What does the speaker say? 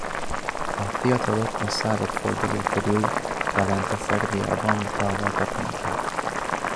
A fiatalok a századforduló körül telente Szerbiában vállaltak munkát.